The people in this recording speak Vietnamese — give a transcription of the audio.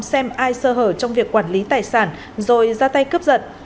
xem ai sơ hở trong việc quản lý tài sản rồi ra tay cướp giật